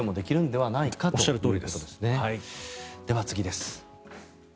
では、次です。